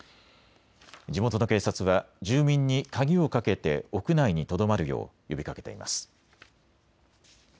地元の警察は住民に鍵をかけて屋内にとどまるよう呼びかけています。